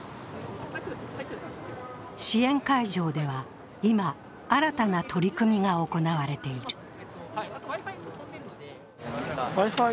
支援会場では今、新たな取り組みが御こなれている。